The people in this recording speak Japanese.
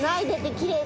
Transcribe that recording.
きれい。